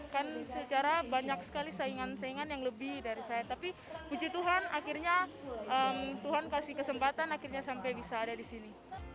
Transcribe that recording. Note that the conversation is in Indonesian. kan secara banyak sekali saingan saingan yang lebih dari saya tapi puji tuhan akhirnya tuhan kasih kesempatan akhirnya sampai bisa ada di sini